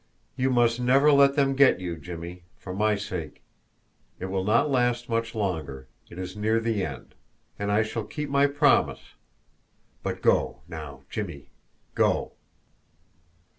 "You must never let them get you, Jimmie for my sake. It will not last much longer it is near the end and I shall keep my promise. But go, now, Jimmie go!"